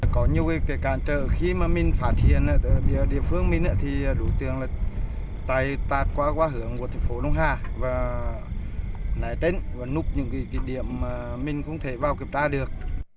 có nhiều cái cản trợ khi mà mình phát hiện địa phương mình thì đối tượng là tay tạt qua quá hướng của thành phố đông hà và nảy tên và núp những cái điểm mình không thể vào kiểm tra được